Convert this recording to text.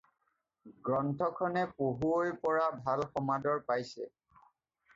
গ্ৰন্থখনে পঢ়ুৱৈ পৰা ভাল সমাদৰ পাইছে।